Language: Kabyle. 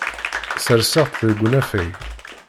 Sserseɣ-tt deg unafag.